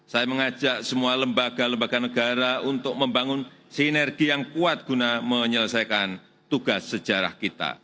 saya mengajak semua lembaga lembaga negara untuk membangun sinergi yang kuat guna menyelesaikan tugas sejarah kita